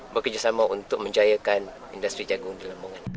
bekerjasama untuk menjahikan industri jagung di lamongan